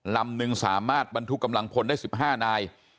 ลำนึงสามารถบรรทุกกำลังพลได้๑๕นาย